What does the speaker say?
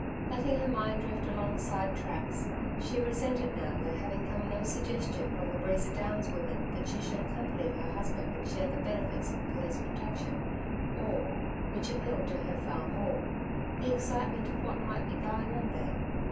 Letting her mind drift along side tracks, she resented now there having come no suggestion from the Breeza Downs women that she should accompany her husband and share the benefits of police protection, or which appealed to her far more the excitement of what might be going on there.